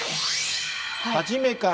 初めから。